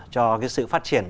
cho cái sự phát triển